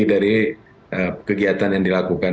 dari kegiatan kegiatan yang saya lakukan